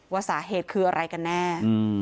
ว่าสาเหตุคืออะไรกันแน่